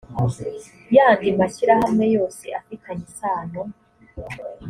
yandi mashyirahamwe yose afitanye isano